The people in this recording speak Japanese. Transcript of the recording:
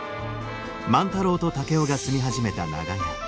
万太郎と竹雄が住み始めた長屋。